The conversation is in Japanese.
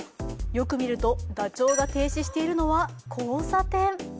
よく見ると、ダチョウが停止しているのは交差点。